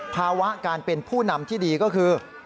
ภาวะการเป็นผู้นำที่ดีก็คือ